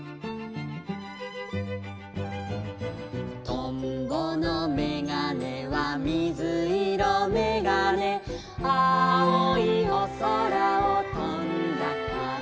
「とんぼのめがねはみずいろめがね」「あおいおそらをとんだから」